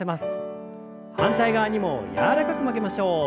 反対側にも柔らかく曲げましょう。